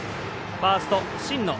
ファースト、新野。